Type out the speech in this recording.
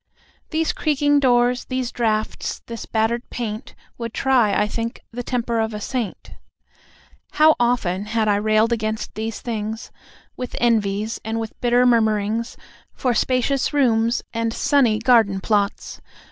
These creaking doors, these draughts, this battered paint, Would try, I think, the temper of a saint, How often had I railed against these things, With envies, and with bitter murmurings For spacious rooms, and sunny garden plots!